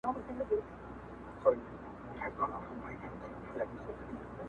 دا ځل به درود پر انسان چوف کړم چي انسان پاته سي.